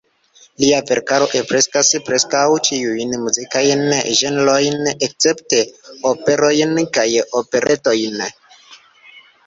Lia verkaro ampleksas preskaŭ ĉiujn muzikajn ĝenrojn escepte operojn kaj operetojn.